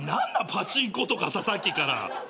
パチンコとかさっきから。